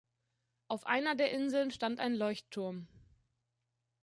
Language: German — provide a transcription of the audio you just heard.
Auf einer der Inseln stand ein Leuchtturm.